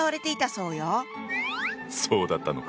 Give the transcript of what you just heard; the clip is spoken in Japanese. そうだったのか！